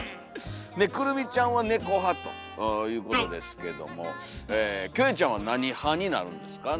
くるみちゃんはネコ派ということですけどもキョエちゃんは何派になるんですか？